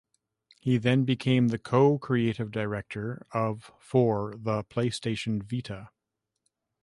He then became the co-creative director of for the PlayStation Vita.